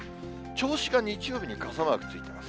銚子が日曜日に傘マークついてます。